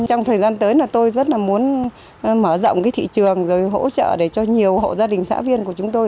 trong thời gian tới là tôi rất là muốn mở rộng cái thị trường rồi hỗ trợ để cho nhiều hộ gia đình xã viên của chúng tôi